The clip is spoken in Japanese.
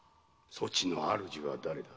そちの主は誰だ？